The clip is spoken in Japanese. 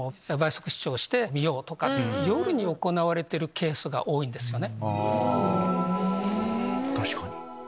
夜に行われてるケースが多いんですよね。